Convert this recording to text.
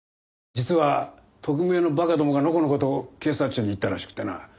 実は特命のバカどもがのこのこと警察庁に行ったらしくてな。